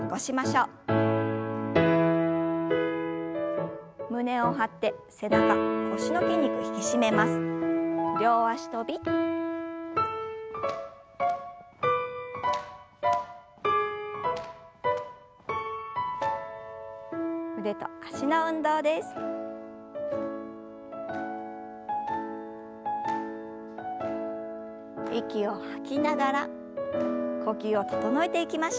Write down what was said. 息を吐きながら呼吸を整えていきましょう。